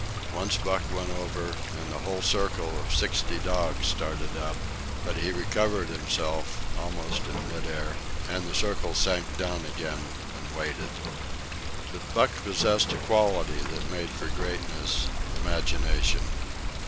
Once Buck went over, and the whole circle of sixty dogs started up; but he recovered himself, almost in mid air, and the circle sank down again and waited. But Buck possessed a quality that made for greatness—imagination.